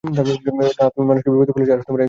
না, তুমি মানুষকে বিপদে ফেলেছ আর একজন হিরো তা করে না।